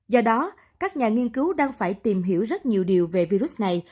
do đó các nhà nghiên cứu đang phải tìm hiểu rất nhiều điều về virus này